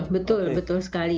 betul betul sekali